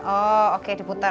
oh oke diputar